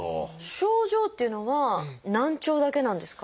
症状っていうのは難聴だけなんですか？